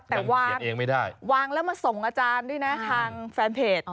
แต่วางแล้วมาส่งอาจารย์ด้วยทางแฟนเพจ